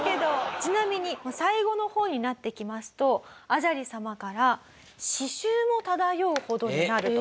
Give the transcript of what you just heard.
ちなみに最後の方になってきますと阿闍梨さまから死臭も漂うほどになると。